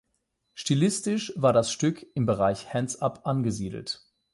Stilistisch war das Stück im Bereich Hands up angesiedelt.